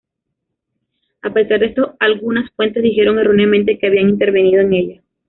A pesar de esto algunas fuentes dijeron erróneamente que había intervenido en ella.